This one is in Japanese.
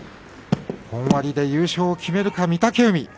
本割で優勝を決めるか、御嶽海。